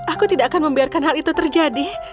aku tidak akan membiarkan hal itu terjadi